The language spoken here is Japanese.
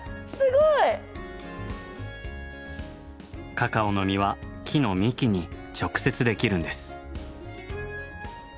カカオの実は木の幹に直接できるんです。